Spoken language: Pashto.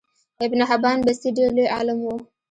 ابن حبان بستي ډیر لوی عالم وو